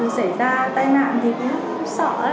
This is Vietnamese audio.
xảy ra tai nạn thì khá sợ ấy